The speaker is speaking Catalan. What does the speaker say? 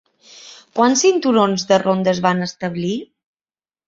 Quants cinturons de ronda es van establir?